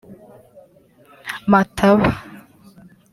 Mataba